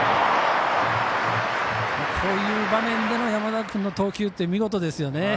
こういう場面での山田君の投球って見事ですよね。